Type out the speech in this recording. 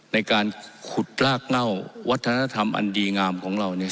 ในการขุดรากเง่าวัฒนธรรมอันดีงามของเรา